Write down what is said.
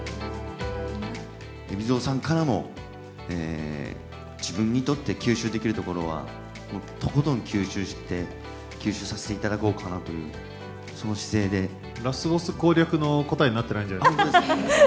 海老蔵さんからも、自分にとって吸収できるところはとことん吸収させていただこうかラスボス攻略の答えになってないんじゃない？